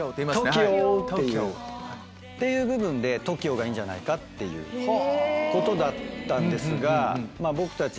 っていう部分でＴＯＫＩＯがいいんじゃないかっていうことだったんですがまぁ僕たち